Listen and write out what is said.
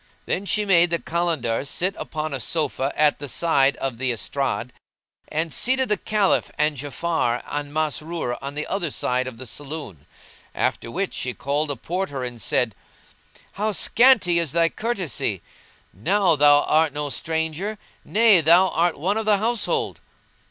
Then she made the Kalandars sit upon a sofa at the side of the estrade, and seated the Caliph and Ja'afar and Masrur on the other side of the saloon; after which she called the Porter, and said, "How scanty is thy courtesy! now thou art no stranger; nay, thou art one of the household."